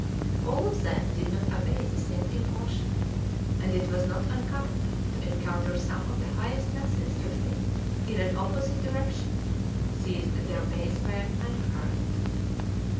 All of them did not obey the same impulsion, and it was not uncommon to encounter some of the highest masses drifting in an opposite direction, seized at their base by an undercurrent.